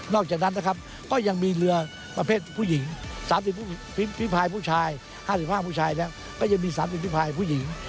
นอกจากนั้นก็ยังมีเรือมาเพศผู้หญิง๓๐ฝีภายผู้ชาย๕๕ฝีภายผู้ชายก็ยังมี๓๐ฝีภายผู้หญิง